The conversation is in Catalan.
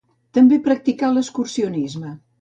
També practicà l’excursionisme.